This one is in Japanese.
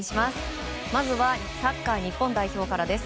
まずはサッカー日本代表からです。